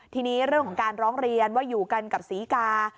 ทีนี้เรื่องของการร้องเรียนว่าอยู่กันกับศรีกา